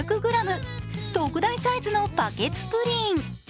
特大サイズのバケツプリン。